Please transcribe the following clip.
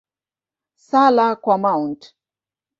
Sala kwa Mt.